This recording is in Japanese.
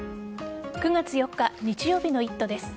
９月４日日曜日の「イット！」です。